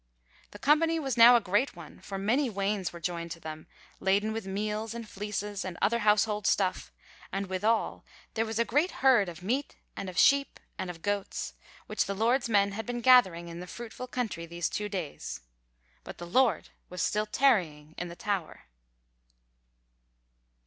The company was now a great one, for many wains were joined to them, laden with meal, and fleeces, and other household stuff, and withal there was a great herd of neat, and of sheep, and of goats, which the Lord's men had been gathering in the fruitful country these two days; but the Lord was tarrying still in the tower.